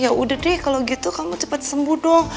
ya udah deh kalau gitu kamu cepat sembuh dong